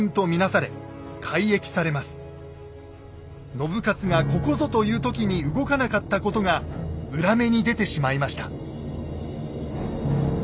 信雄がここぞという時に動かなかったことが裏目に出てしまいました。